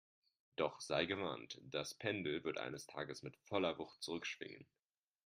Doch sei gewarnt, das Pendel wird eines Tages mit voller Wucht zurückschwingen